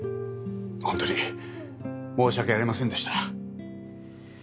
ホントに申し訳ありませんでした